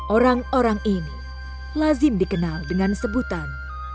orang orang ini lazim dikenal dengan sebutan